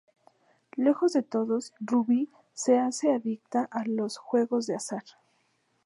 Lejos de todos, Rubí se hace adicta a los juegos de azar.